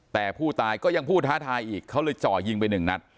แต่ผู้ตายก็ยังพูดท้าทายอีกเขาเลยจ่อยิงไปหนึ่งนัด